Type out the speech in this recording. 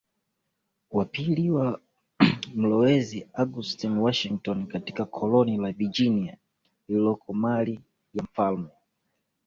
wa pili wa mlowezi Augustine Washington katika koloni la Virginia lililokuwa mali ya mfalme